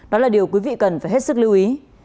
đó là điều quý vị cần phải hết sức lưu ý